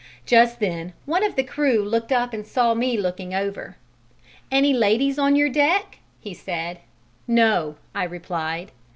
Just then one of the crew looked up and saw me looking over. "Any ladies on your deck?" he said. "No," I replied.